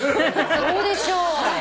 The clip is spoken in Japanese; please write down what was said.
そうでしょう。